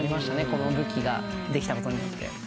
この武器ができたことによって。